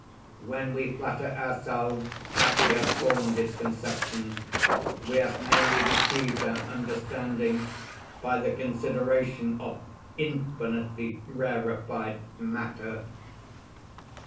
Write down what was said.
When we flatter ourselves that we have formed its conception, we have merely deceived our understanding by the consideration of infinitely rarified matter.